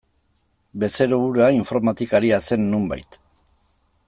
Bezero hura informatikaria zen nonbait.